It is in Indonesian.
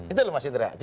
itu loh mas indra